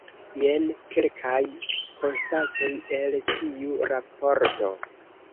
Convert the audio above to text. Jen kelkaj konstatoj el tiu raporto.